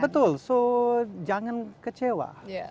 betul so jangan kecewa